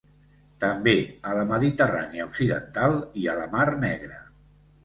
També a la Mediterrània Occidental i a la Mar Negra.